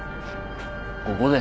ここで？